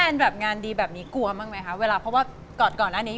แฟนแบบงานดีแบบนี้กลัวไหมคะเวลาพอว่ากอดก่อนอันนี้